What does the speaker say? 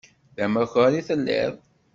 D amakar i telliḍ.